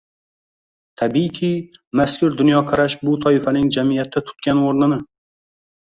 Tabiiyki, mazkur dunyoqarash bu toifaning jamiyatda tutgan o‘rnini